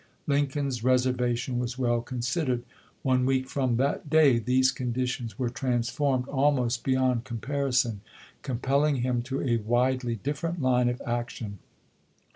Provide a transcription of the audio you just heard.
Lincoln's res ervation was well considered. One week from that day these conditions were transformed almost be yond comparison, compelling him to a widely dif ferent line of action.